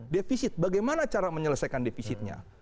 defisit bagaimana cara menyelesaikan defisitnya